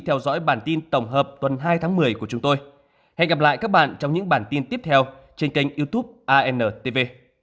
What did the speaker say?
hẹn gặp lại các bạn trong những bản tin tiếp theo trên kênh youtube antv